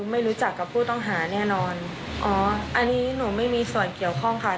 ไม่รู้จักกับผู้ต้องหาแน่นอนอ๋ออันนี้หนูไม่มีส่วนเกี่ยวข้องค่ะ